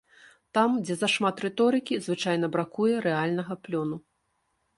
Там, дзе зашмат рыторыкі, звычайна бракуе рэальнага плёну.